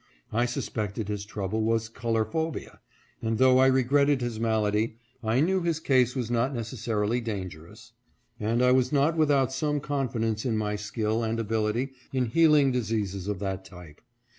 I suspected his trouble was colorphobia, and, though I regretted his malady, I knew his case was not necessarily dangerous ; and I was not without some confidence in my skill and 556 NO ONE TO INTRODUCE HIM. ability in healing' diseases of that type.